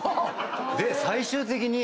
で最終的に。